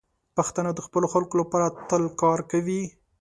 پښتانه د خپلو خلکو لپاره تل کار کوي.